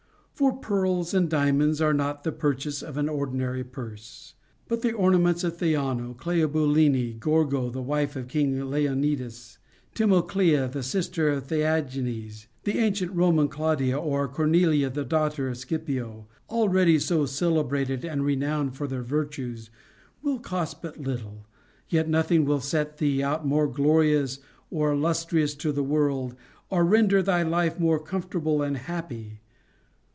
For pearls and diamonds are not the purchase of an ordinary purse ; but the ornaments of Theano, Cleobuline, Gorgo the wife of King Leonidas, Timoclea the sister of Theagenes, the ancient Roman Claudia, or Cornelia the daughter of Scipio, — alreadv so celebrated and renowned for their virtues, — will cos,, but little, yet nothing will set thee out more glorious or illustrious to the world, or render thy life more comfortable and happy.